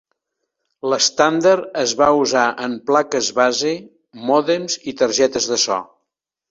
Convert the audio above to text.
L'estàndard es va usar en plaques base, mòdems i targetes de so.